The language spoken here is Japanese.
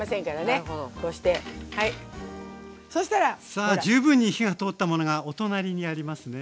さあ十分に火が通ったものがお隣にありますね。